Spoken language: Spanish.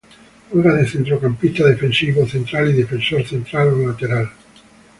Juega de centrocampista defensivo o central y defensor central o lateral.